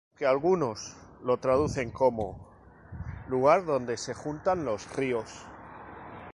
Aunque algunos lo traducen como: lugar donde se juntan los ríos.